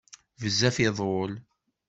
Bezzaf iḍul.